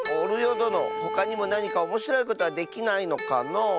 どのほかにもなにかおもしろいことはできないのかのう？